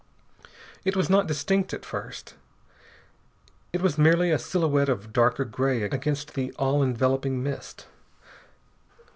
It was not distinct, at first. It was merely a silhouette of darker gray against the all enveloping mist.